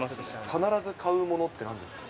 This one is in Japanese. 必ず買うものって何ですか。